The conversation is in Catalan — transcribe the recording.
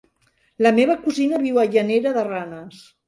La meva cosina viu a Llanera de Ranes.